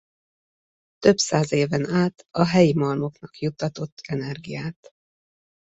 Több száz éven át a helyi malmoknak juttatott energiát.